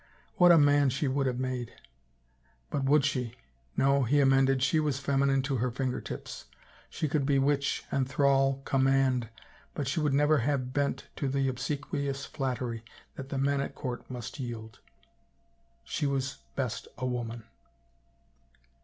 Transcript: What a man she would have made I But would she? No, he amended, she was feminine to her finger tips, she could bewitch, enthrall, command, but she would never have bent to the obsequious flattery that the men at court must yield. She was best a woman.